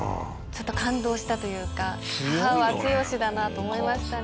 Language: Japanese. ちょっと感動したというか母は強しだなと思いましたね。